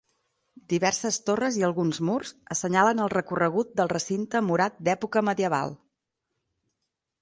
Diverses torres i alguns murs assenyalen el recorregut del recinte murat d'època medieval.